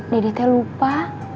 dede teh lupa